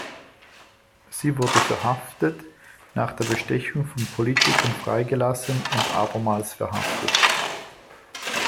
Sie wurde verhaftet, nach der Bestechung von Politikern freigelassen und abermals verhaftet.